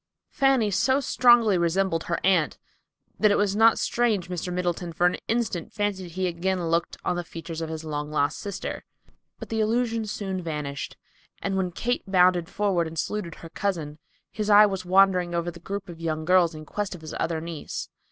Fanny so strongly resembled her Aunt that it was not strange Mr. Middleton for an instant fancied he again looked on the features of his long lost sister. But the illusion soon vanished, and when Kate bounded forward and saluted her cousin, his eye was wandering over the group of young girls in quest of his other niece.